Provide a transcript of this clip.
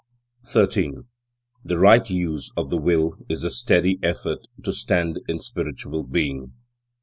13. The right use of the will is the steady, effort to stand in spiritual being.